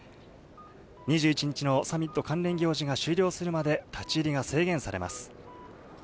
２１日のサミット関連行事が終了するまで立ち入りが制限されます。